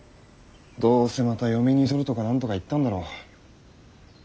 どうせまた嫁に取るとか何とか言ったんだろう。